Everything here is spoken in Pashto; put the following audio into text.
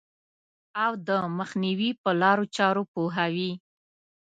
او د مخنیوي په لارو چارو پوهوي.